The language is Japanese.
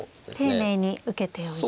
丁寧に受けておいて。